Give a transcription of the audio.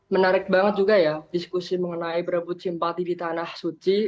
menarik banget juga ya diskusi mengenai berebut simpati di tanah suci